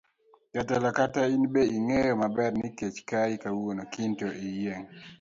Jatelo kata in be ing'eyo maber ni kech kayi kawuono kiny to iyieng'.